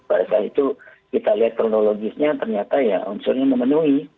pada saat itu kita lihat kronologisnya ternyata ya unsurnya memenuhi